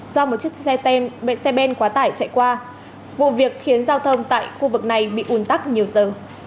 do một chiếc xe ben quá tải chạy qua vụ việc khiến giao thông tại khu vực này bị un tắc nhiều giờ